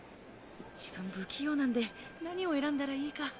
自分不器用なんで何を選んだらいいか。